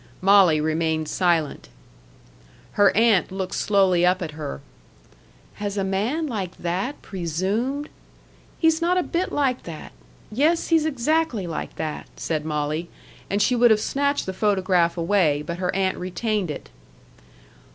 Molly remained silent. Her aunt looked slowly up at her. "Has a man like that presumed " "He's not a bit like that. Yes, he's exactly like that," said Molly. And she would have snatched the photograph away, but her aunt retained it.